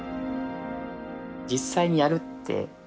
実際にやるって